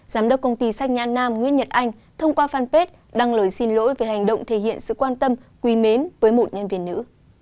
giám đốc công ty sách nhan nam nguyễn nhật anh thông qua fanpage đăng lời xin lỗi về hành động thể hiện sự quan tâm quý mến với một nhân viên nữ